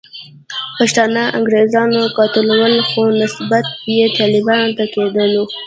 پښتانه انګریزانو قتلول، خو نسبیت یې طالبانو ته کېدلو.